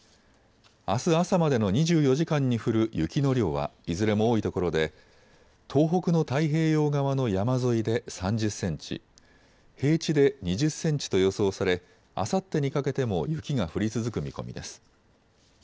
あす朝までの２４時間に降る雪の量はいずれも多いところで東北の太平洋側の山沿いで３０センチ、平地で２０センチと予想されあさってにかけても雪が降り続く見込みです。